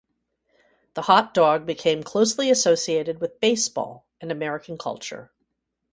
The hot dog became closely associated with baseball and American culture.